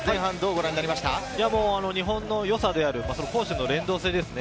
日本の良さである攻守の連動性ですね。